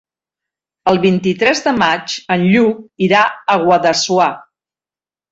El vint-i-tres de maig en Lluc irà a Guadassuar.